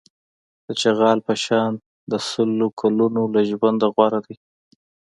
د چغال په شان د سل کلونو له ژونده غوره دی.